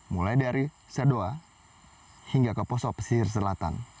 mulai dari sedoa hingga ke poso pesisir selatan